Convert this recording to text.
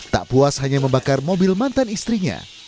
tak puas hanya membakar mobil mantan istrinya